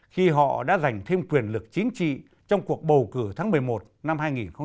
khi họ đã giành thêm quyền lực chính trị trong cuộc bầu cử tháng một mươi một năm hai nghìn một mươi sáu